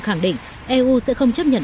khẳng định eu sẽ không chấp nhận